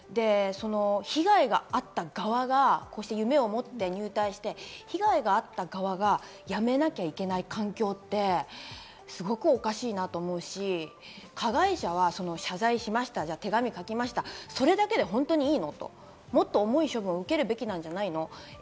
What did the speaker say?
被害があった側が夢を持って入隊して、被害があった側が辞めなきゃいけない環境って、すごくおかしいなと思うし、加害者は謝罪しました、手紙書きました、それだけで本当にいいの？ともっと重い処分を受けるべきじゃないの？